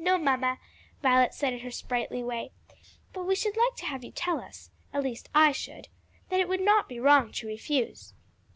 "No, mamma," Violet said in her sprightly way, "but we should like to have you tell us at least I should that it would not be wrong to refuse."